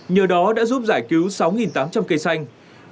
nhờ đó đã giúp giải cứu sáu tám trăm linh cây xanh